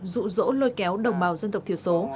rụ rỗ lôi kéo đồng bào dân tộc thiểu số